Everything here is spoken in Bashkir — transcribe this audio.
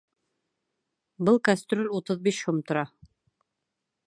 Был кәстрүл утыҙ биш һум тора